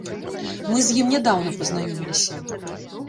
Мы з ім нядаўна пазнаёміліся.